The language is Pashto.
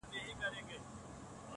چي لا به نوري څه کانې کیږي-